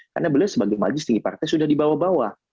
karena beliau sebagai majelis tinggi partai sudah dibawa bawa